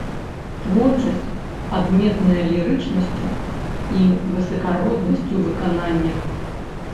Творчасць адметная лірычнасцю і высакароднасцю выканання.